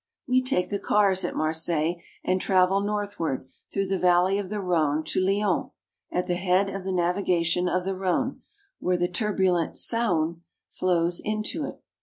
We take the cars at Marseilles, and travel northward through the valley of the Rhone to Lyons, at the head of the navigation of the Rhone, where the turbulent Saone flows into it.